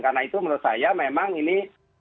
karena itu menurut saya memang ini